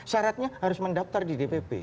syaratnya harus mendaftar di dpp